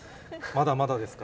まだまだですか。